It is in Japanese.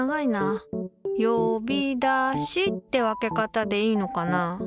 「よびだし」って分け方でいいのかな。